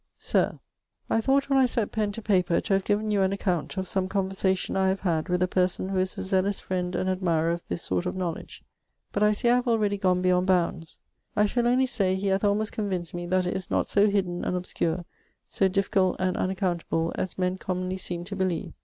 Sir, I thought when I set pen to paper to have given you an account of some conversation I have had with a person who is a zealous friend and admirer of this sort of knowledge, but I see I have already gone beyound bounds. I shal onely say he hath almost convinced me that it is not so hidden and obscure, so difficult and unaccountable, as men commonly seeme to beleeve.